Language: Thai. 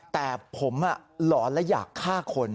แต่ผมหลอนและอยากฆ่าคน